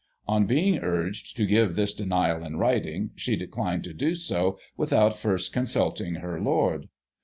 On being urged to give this denial in writing, she declined to do so without first consulting her lord.